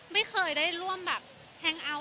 ไม่เคยได้ร่วมแฮงอัพ